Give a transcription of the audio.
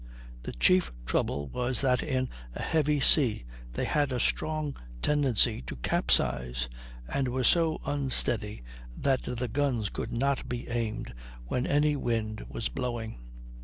The chief trouble was that in a heavy sea they had a strong tendency to capsize, and were so unsteady that the guns could not be aimed when any wind was blowing.